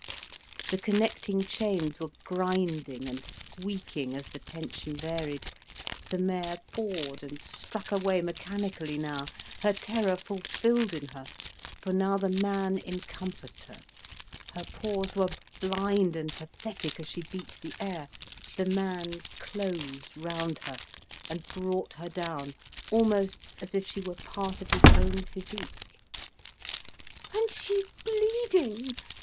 The connecting chains were grinding and squeaking as the tension varied, the mare pawed and struck away mechanically now, her terror fulfilled in her, for now the man encompassed her; her paws were blind and pathetic as she beat the air, the man closed round her, and brought her down, almost as if she were part of his own physique. "And she's bleeding!